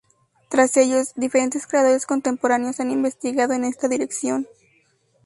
Tras ellos, diferentes creadores contemporáneos han investigado en esta dirección.